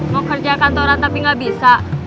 mau kerja kantoran tapi nggak bisa